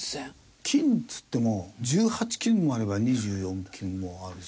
金っつっても１８金もあれば２４金もあるし。